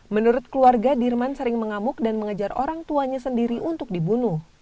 menurut keluarga dirman sering mengamuk dan mengejar orang tuanya sendiri untuk dibunuh